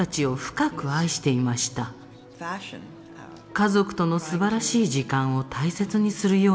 家族とのすばらしい時間を大切にするようになったのです。